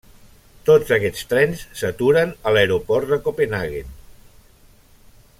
Tots aquests trens s'aturen a l'aeroport de Copenhaguen.